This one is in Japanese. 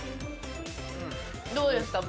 どうですか？